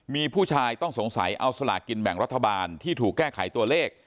มีผู้ชายต้องสงสัยเอาสลากินแบ่งรัฐบาลที่ถูกแก้ไขตัวเลข